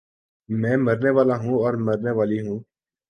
میں مرنے والا ہوں اور میں مرنے والی ہوں